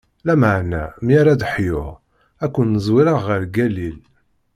Lameɛna mi ara ad d-ḥyuɣ, ad ken-zwireɣ ɣer Galil.